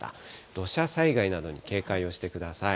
土砂災害などに警戒をしてください。